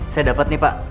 saya dapat nih pak